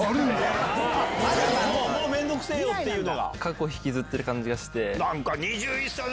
もう面倒くせぇよ！っていうのが。